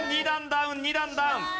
２段ダウン２段ダウン。